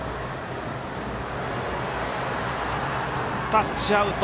タッチアウト。